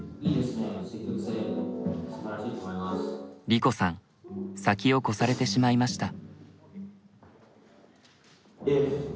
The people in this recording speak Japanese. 梨子さん先を越されてしまいました。